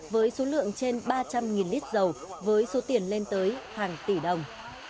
với số lượng trên ba trăm linh lít dầu với số tiền lên tới hàng tỷ đồng